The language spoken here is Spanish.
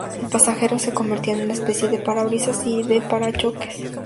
El pasajero se convertía en una especie de "parabrisas" y de "parachoques".